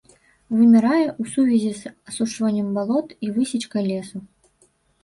Вымірае ў сувязі з асушваннем балот і высечкай лесу.